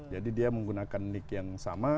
jadi dia menggunakan link yang sama